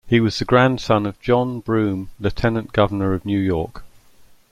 He was the grandson of John Broome, Lieutenant Governor of New York.